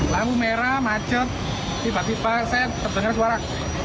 lampu merah macet tiba tiba saya terdengar suara